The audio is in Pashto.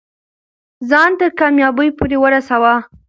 ځان تر کامیابۍ پورې ورسوه.